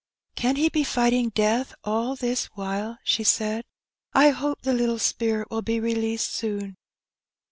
Can he be fighting de£|,th all this while?" she said; I hope the little spirit will be released ^oon."